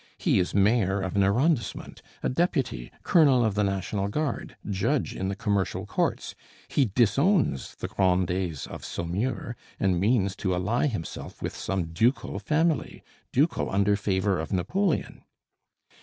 He is mayor of an arrondissement, a deputy, colonel of the National Guard, judge in the commercial courts; he disowns the Grandets of Saumur, and means to ally himself with some ducal family, ducal under favor of Napoleon."